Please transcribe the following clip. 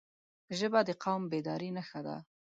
ژبه د قوم بیدارۍ نښه ده